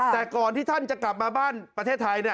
แต่ก่อนที่ท่านจะกลับมาบ้านประเทศไทย